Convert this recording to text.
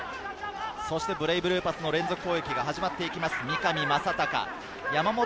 そしてブレイブルーパスの連続攻撃が始まっています。